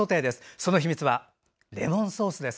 その秘密はレモンソースです。